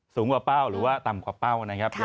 สูงกว่าเป้าหรือว่าต่ำกว่าเป้านะครับ